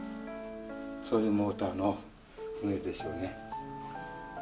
そういうモーターの船でしょうね。